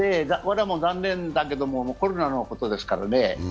残念だけれども、コロナのことですからね。